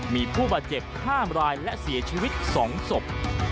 มีผู้บาดเจ็บ๕รายและเสียชีวิต๒ศพ